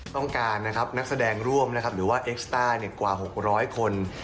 ต้องการนะครับนักแสดงร่วมนะครับหรือว่าเอกสตาร์เนี่ยกว่าหกร้อยคน